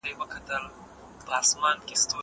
درسونه د زده کوونکي له خوا اورېدلي کيږي.